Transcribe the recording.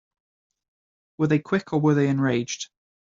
Were they quick or were they enraged?